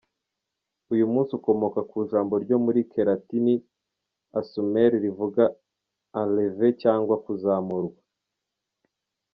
Uyu munsi ukomoka ku ijambo ryo mu keratini “assumere” rivuga”enlever” cyangwa kuzamurwa.